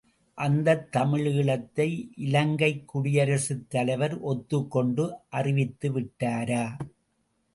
அந்தத் தமிழ் ஈழத்தை, இலங்கைக் குடியரசுத் தலைவர் ஒத்துக் கொண்டு அறிவித்து விட்டாரா?